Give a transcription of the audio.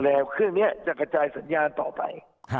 แล้วเครื่องนี้จะกระจายสัญญาณต่อไป